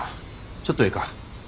ちょっとええか。